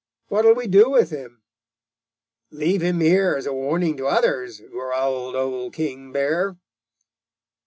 What will we do with him?' "'Leave him here as a warning to others,' growled Old King Bear.